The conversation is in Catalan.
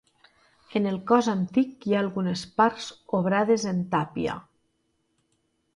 En el cos antic hi ha algunes parts obrades en tàpia.